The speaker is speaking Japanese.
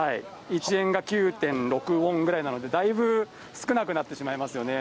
１円が９．６ウォンぐらいなんで、だいぶ少なくなってしまいますよね。